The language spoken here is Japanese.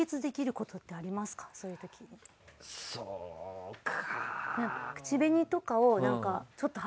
そうか。